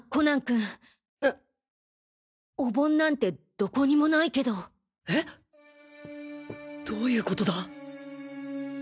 んっ？お盆なんてどこにもないけど。えっ！？どういう事だ。